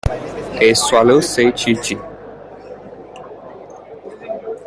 “A swallow,” said Chee-Chee.